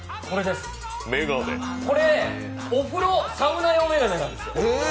これお風呂、サウナ用眼鏡なんですよ。